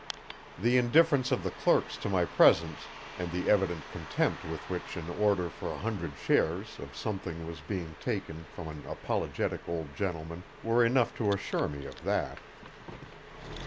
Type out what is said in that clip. The indifference of the clerks to my presence, and the evident contempt with which an order for a hundred shares of something was being taken from an apologetic old gentleman were enough to assure me of that.